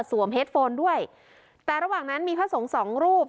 สวมเฮ็ดโฟนด้วยแต่ระหว่างนั้นมีผ้าสงสองรูป